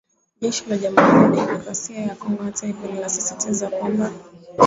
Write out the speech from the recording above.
Jeshi la jamuhuri ya kidemokrasia ya Kongo hata hivyo linasisitiza kwamba